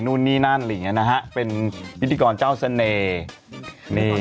นู่นนี่นั่นหรืออย่างเงี้ยนะฮะเป็นพิธีกรเจ้าเสน่ห์เนเนเนเนเนเน